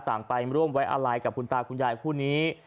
ไปร่วมไว้อะไรกับคุณตาคุณยายคู่นี้